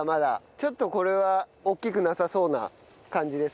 ちょっとこれは大きくなさそうな感じですね。